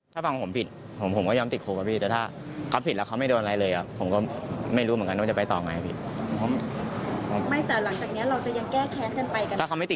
แล้วถ้าเราไปแก้แค้นแล้วเราผิดเขานั้นแล้วเราติดแค้นนั้นเราโอเคหรือ